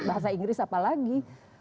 bahasa inggris apa lagi